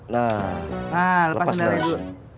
nah lepas naras